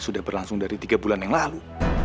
sudah berlangsung dari tiga bulan yang lalu